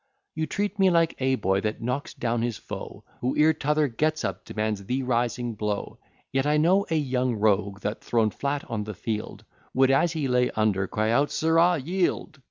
You treat me like a boy that knocks down his foe, Who, ere t'other gets up, demands the rising blow. Yet I know a young rogue, that, thrown flat on the field, Would, as he lay under, cry out, Sirrah! yield.